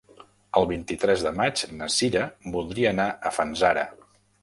El vint-i-tres de maig na Sira voldria anar a Fanzara.